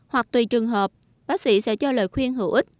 hoặc tùy trường hợp bác sĩ sẽ cho lời khuyên hữu ích